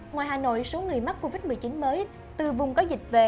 ngoài hà nội số người mắc covid một mươi chín mới từ vùng có dịch về